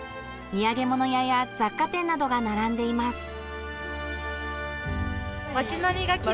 土産物屋や雑貨店などが並んでいます。